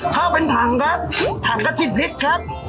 ข้าวเป็นถังครับถังก็๑๐ลิตรครับ